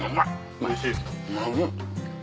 おいしいですか。